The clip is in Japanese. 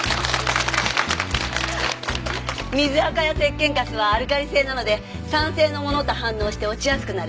水垢や石鹸カスはアルカリ性なので酸性のものと反応して落ちやすくなる。